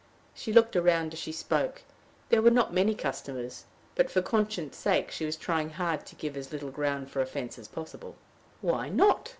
She looked round as she spoke. There were not many customers; but for conscience sake she was trying hard to give as little ground for offense as possible. "Why not?